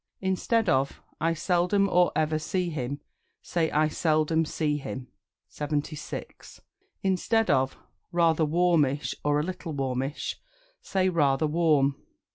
Instead of "I seldom or ever see him," say "I seldom see him." 76. Instead of "Rather warmish" or "A little warmish," say "Rather warm."